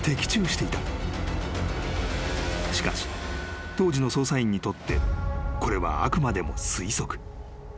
［しかし当時の捜査員にとってこれはあくまでも推測］